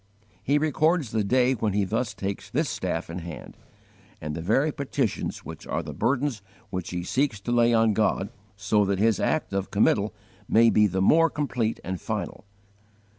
He records the day when he thus takes this staff in hand, and the very petitions which are the burdens which he seeks to lay on God, so that his act of committal may be the more complete and final.